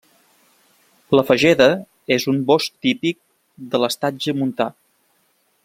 La fageda és un bosc típic de l'estatge montà.